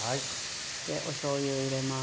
おしょうゆを入れます。